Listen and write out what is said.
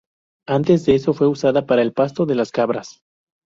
Antes de eso fue usada para el pasto de las cabras.